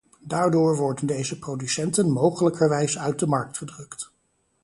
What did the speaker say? Daardoor worden deze producenten mogelijkerwijs uit de markt gedrukt.